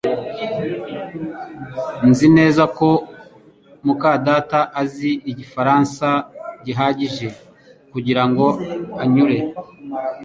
Nzi neza ko muka data azi Igifaransa gihagije kugirango anyure